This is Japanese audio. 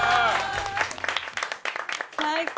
最高！